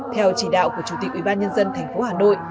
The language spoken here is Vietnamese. theo chỉ đạo của chủ tịch ubnd tp hà nội